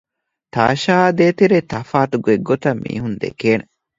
ތާޝާއާއި ދޭތެރޭ ތަފާތު ގޮތްގޮތަށް މީހުން ދެކޭނެ